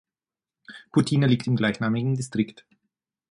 Putina liegt im gleichnamigen Distrikt.